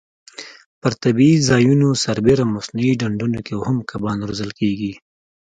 پر طبیعي ځایونو سربېره مصنوعي ډنډونو کې هم کبان روزل کېږي.